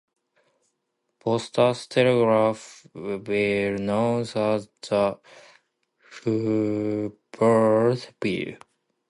Postal Telegraph Bill known as the Hubbard Bill.